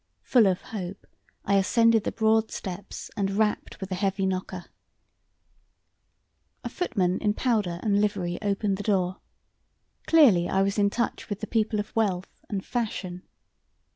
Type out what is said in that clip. Full of hope, I ascended the broad steps and rapped with the heavy knocker. A footman in powder and livery opened the door. Clearly I was in touch with the people of wealth and fashion.